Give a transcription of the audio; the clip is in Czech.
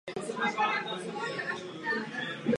Skutečnost číslo jedna!